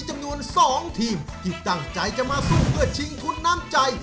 จำนวน๒ทีมที่ตั้งใจจะมาสู้เพื่อชิงทุนน้ำใจ